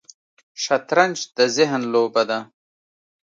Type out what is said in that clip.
شطرنج د ذهن لوبه ده